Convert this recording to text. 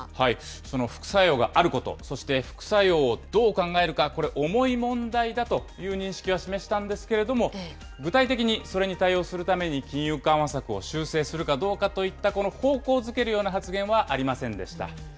その副作用があること、そして副作用をどう考えるか、これ、重い問題だという認識は示したんですけれども、具体的にそれに対応するために金融緩和策を修正するかどうかといったこの方向づけるような発言はありませんでした。